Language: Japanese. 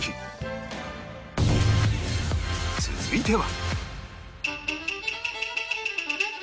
続いては